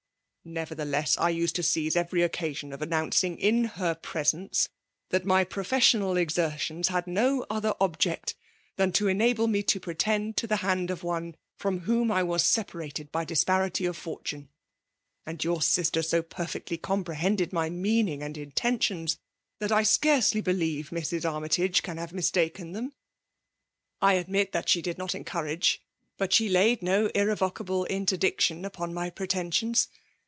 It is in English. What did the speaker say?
*'" Nevertheless, I used to seize every occa sion of announcing, in her presence, that my professional exertions had no other object than rRMALK DOMINATION. SJOl ■ to enabto mc to pretend to the hand of one from whom I was separated by disparity of fortune ; and your sister so perfectly compre hended my meaning and intentions, that I scarcely believe Mrs. Armytage can have mis taken them. I admit that she did not en courage, but she laid no irrevocable interdict tion upon my pretensions.